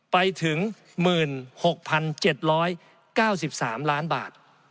ไปถึง๑๖๗๙๓ล้านบาท